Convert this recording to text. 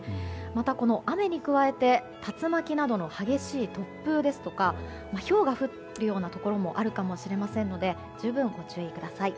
またこの雨に加えて竜巻などの激しい突風ですとかひょうがふるようなところもあるかもしれませんので十分ご注意ください。